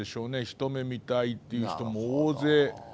一目見たいっていう人も大勢。